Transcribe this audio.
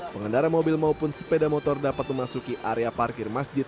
pengendara mobil maupun sepeda motor dapat memasuki area parkir masjid